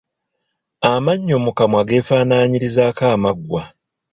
Amannyo mu kamwa geefaanaanyirizaako amaggwa.